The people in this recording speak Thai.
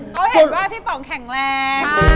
เอาอย่างนึงว่าพี่ปำแข็งแรง